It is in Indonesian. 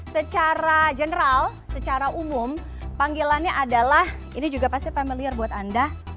secara general secara umum panggilannya adalah ini juga pasti familiar buat anda